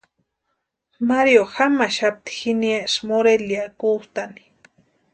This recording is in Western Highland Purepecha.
Mario jamaxapti jiniesï Morelia kustani.